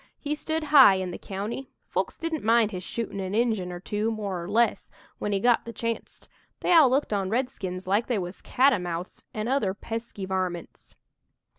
He stood high in the county. Folks didn't mind his shootin' an' Injun or two, more or less, when he got the chancet. They all looked on redskins like they was catamounts an' other pesky varmints.